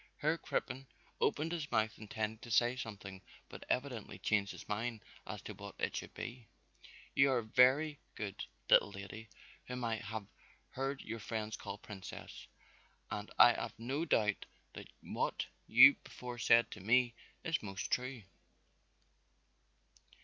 Herr Crippen opened his mouth intending to say something but evidently changed his mind as to what it should be. "You are very good, little lady, whom I haf heard your friends call Princess, and I haf no doubt that what you before said to me is most true."